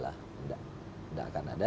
tidak akan ada